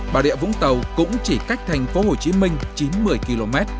bà địa vũng tàu cũng chỉ cách thành phố hồ chí minh chín mươi km